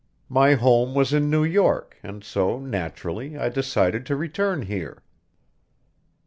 My home was in New York, and so, naturally, I decided to return here."